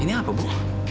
ini apa bu